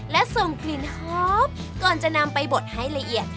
และส่งกลิ่นหอมก่อนจะนำไปบดให้ละเอียด